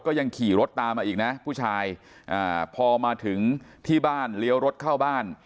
ยังขี่รถตามมาอีกนะผู้ชายอ่าพอมาถึงที่บ้านเลี้ยวรถเข้าบ้าน